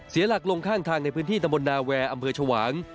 เสียหลักลงข้างทางในพื้นที่ตำบลนาแวร์อำเภอชวาง